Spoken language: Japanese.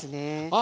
あ！